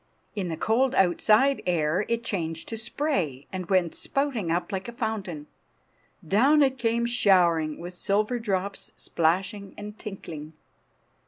In the cold outside air it changed to spray, and went spouting up like a fountain. Down it came showering, with silver drops splashing and tinkling.